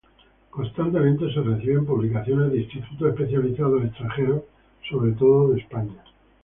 Constantemente se reciben publicaciones de institutos especializados, extranjeros, sobre todo de España.